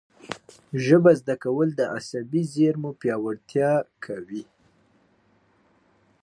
ژبه زده کول د عصبي زېرمو پیاوړتیا کوي.